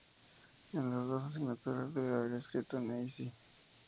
En dos de las asignaturas debe haber escrito un essay.